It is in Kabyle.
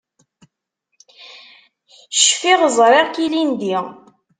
Cfiɣ ẓriɣ-k ilindi.